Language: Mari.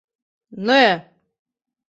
Нӧ!